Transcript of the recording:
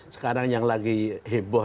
sekarang yang lagi heboh